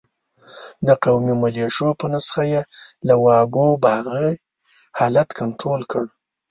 د قومي ملېشو په نسخه یې له واګو باغي حالت کنترول کړ.